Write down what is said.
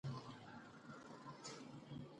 هغوی د ښایسته څپو لاندې د مینې ژورې خبرې وکړې.